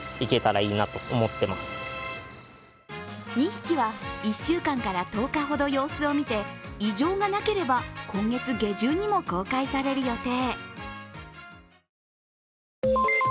２匹１週間から１０日ほど様子を見て異常がなければ今月下旬にも公開される予定。